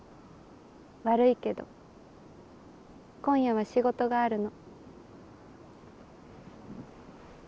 悪いけど今夜は仕事があるの。